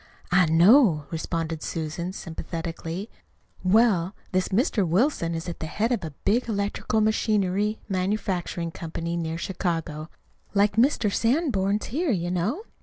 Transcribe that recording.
"I know," responded Susan sympathetically. "Well, this Mr. Wilson is at the head of a big electrical machinery manufacturing company near Chicago, like Mr. Sanborn's here, you know.